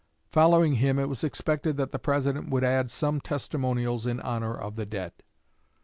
Following him it was expected that the President would add some testimonials in honor of the dead.